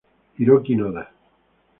Hiroki Noda